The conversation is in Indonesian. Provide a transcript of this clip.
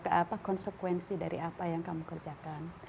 apa konsekuensi dari apa yang kamu kerjakan